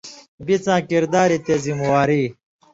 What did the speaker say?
بِڅاں کردار یی تے ذمواری